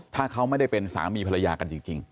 ถ้าเขาไม่ได้เป็นสามีภรรยากันจริง